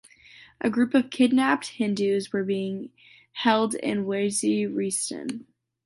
A group of kidnapped Hindus were being held in Waziristan.